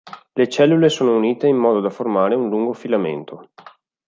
Le cellule sono unite in modo da formare un lungo filamento.